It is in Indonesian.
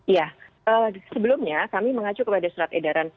ya sebelumnya kami mengacu kepada surat edaran